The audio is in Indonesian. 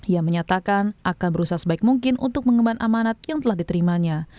ia menyatakan akan berusaha sebaik mungkin untuk mengemban amanat yang telah diterimanya